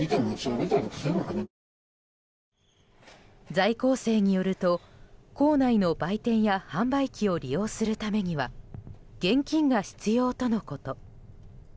在校生によると校内の売店や販売機を利用するためには現金が必要とのこと。